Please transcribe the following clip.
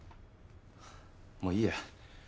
もういいや。